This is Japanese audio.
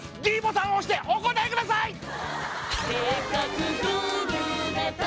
ｄボタンを押してお答えください！